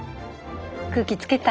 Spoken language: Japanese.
空気つけた。